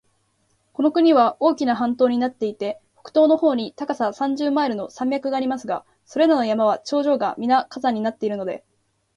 この国は大きな半島になっていて、北東の方に高さ三十マイルの山脈がありますが、それらの山は頂上がみな火山になっているので、